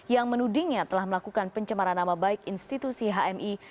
yang menudingnya telah melakukan pencemaran nama baik institusi hmi